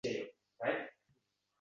Ulug‘ xalq qudrati jo‘sh urgan zamon